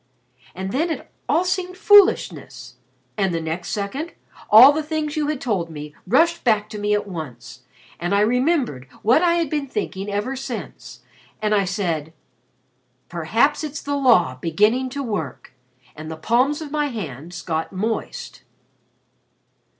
And then it all seemed foolishness and the next second all the things you had told me rushed back to me at once and I remembered what I had been thinking ever since and I said 'Perhaps it's the Law beginning to work,' and the palms of my hands got moist."